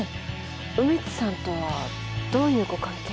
梅津さんとはどういうご関係？